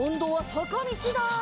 さかみちだ！